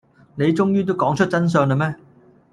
你終於都講出真相喇咩